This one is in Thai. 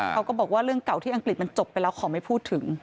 เขาก็บอกว่าเรื่องเก่าที่อังกฤษมันจบไปแล้วขอไม่พูดถึง